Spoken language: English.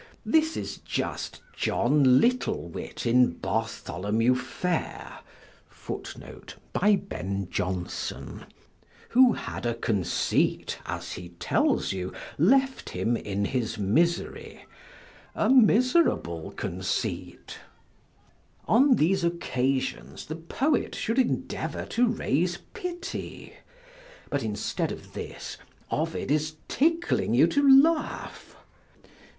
This is just John Littlewit in Bartholomew Fair, who had a conceit (as he tells you) left him in his misery; a miserable conceit. On these occasions the poet should endeavor to raise pity; but instead of this, Ovid is tickling you to laugh.